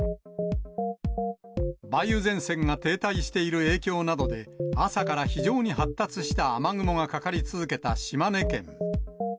梅雨前線が停滞している影響などで、朝から非常に発達した雨雲がかかり続けた島根県。